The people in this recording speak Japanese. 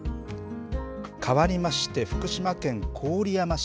変わりまして、福島県郡山市。